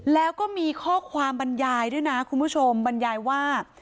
แล้วก็มีข้อความบรรยายด้วยนะคุณผู้ชมบรรยายว่า